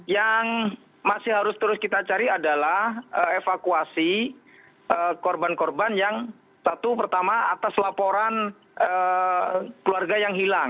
yang masih harus terus kita cari adalah evakuasi korban korban yang satu pertama atas laporan keluarga yang hilang